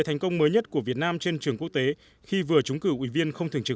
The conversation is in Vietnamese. thành công mới nhất của việt nam trên trường quốc tế khi vừa trúng cử ủy viên không thường trực